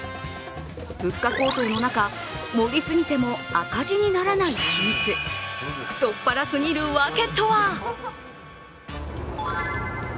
物価高騰の中、盛り過ぎても赤字にならない秘密、太っ腹すぎるわけとは？